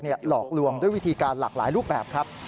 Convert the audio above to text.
หลอกลวงด้วยวิธีการหลากหลายรูปแบบครับ